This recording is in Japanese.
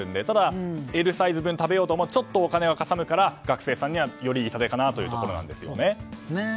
ただＬサイズ分食べようと思うとお金がかさむから学生さんにはより痛手かなということなんですよね。